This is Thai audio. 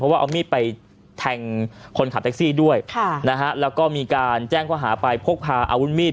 ว่าเอามีดไปแทงคนขับแท็กซี่ด้วยค่ะนะฮะแล้วก็มีการแจ้งข้อหาไปพกพาอาวุธมีด